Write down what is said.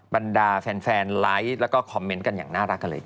บรรดาแฟนไลค์แล้วก็คอมเมนต์กันอย่างน่ารักกันเลย